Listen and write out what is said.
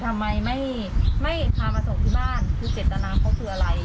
แต่ทำไมพามาโสขที่บ้านผู้เจ็ดตะนำเขาคืออะไร